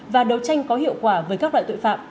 và đấu tranh có hiệu quả với các loại tội phạm